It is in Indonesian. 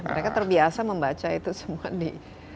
mereka terbiasa membaca itu semua di